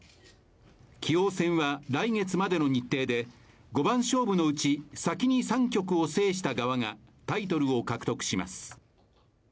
棋王戦は来月までの日程で五番勝負のうち先に３局を制した側がタイトルを獲得します。